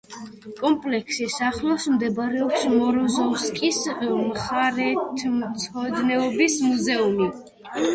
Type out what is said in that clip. კომპლექსის ახლოს მდებარეობს მოროზოვსკის მხარეთმცოდნეობის მუზეუმი.